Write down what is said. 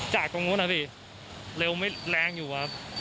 จากตรงนู้นนะครับเร็วแรงอยู่ครับ